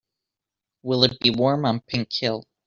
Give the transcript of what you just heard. Will it be warm on Pink Hill?